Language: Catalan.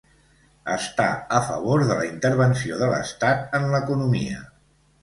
Està a favor de la intervenció de l'estat en l'economia.